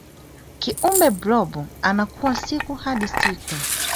kiumbe blob anakua siku hadi siku